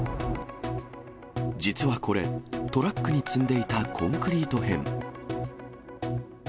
実はこれ、トラックに積んでいたコンクリート片。